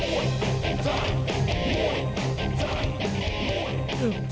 มวยจังมวยจังมวย